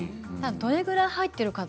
どれくらい入っているとか